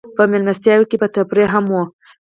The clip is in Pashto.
په مېلمستیاوو کې به تفریح هم وه.